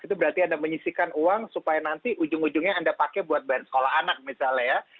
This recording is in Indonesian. itu berarti anda menyisikan uang supaya nanti ujung ujungnya anda pakai buat bahan sekolah anak misalnya ya